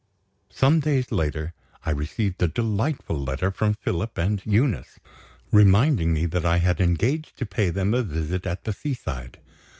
Some days later, I received a delightful letter from Philip and Eunice; reminding me that I had engaged to pay them a visit at the seaside.